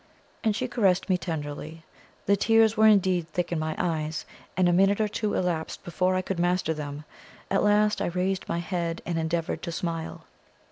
And she caressed me tenderly. The tears were indeed thick in my eyes, and a minute or two elapsed before I could master them. At last I raised my head and endeavoured to smile.